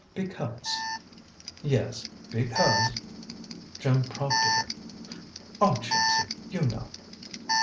"Because " "Yes, because " Jim prompted her. "Oh, Jimsy, you know."